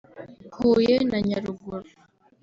Huye na Nyaruguru